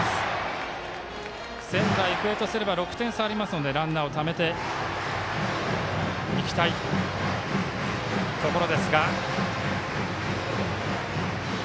仙台育英とすれば６点差ありますのでランナーをためていきたいところ。